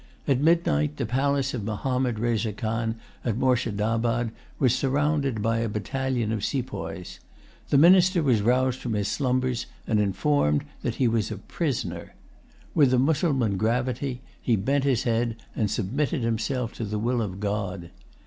At midnight, the palace of Mahommed Reza Khan at Moorshedabad was surrounded by a battalion of sepoys. The minister was roused from his slumbers, and informed that he was a prisoner. With the Mussulman gravity, he bent his head and submitted himself to the will of God.